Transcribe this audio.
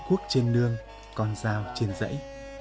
cuốc trên nương con dao trên dãy